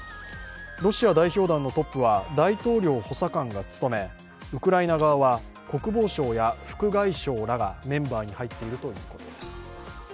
ロシア代表団のトップは大統領補佐官が務めウクライナ側は国防相や副外相らがメンバーに入っているということです。